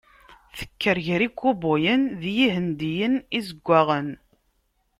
Tekker gar ikubuyen d Yihendiyen Izeggaɣen.